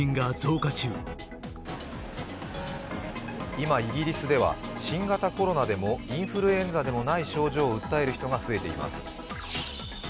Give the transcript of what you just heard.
今イギリスでは、新型コロナでもインフルエンザでもない症状を訴える人が増えています。